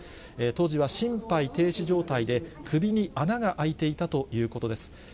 当時は心肺停止状態で、首に穴が開いていたということです。